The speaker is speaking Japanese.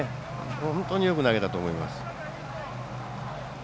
本当によく投げたと思います。